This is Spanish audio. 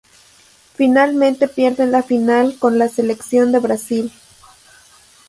Finalmente pierden la final con la Selección de Brasil.